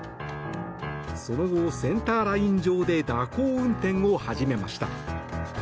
その後、センターライン上で蛇行運転を始めました。